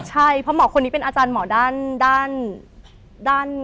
ใช่เพราะหมอคนนี้เป็นอาจารย์หมอด้าน